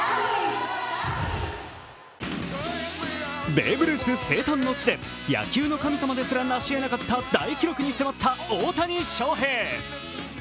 ベーブ・ルース生誕の地で、野球の神様ですらなしえなかった大記録に迫った大谷翔平。